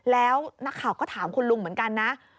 แล้วนักข่าวก็ถามคุณลุงเหมือนกันนะ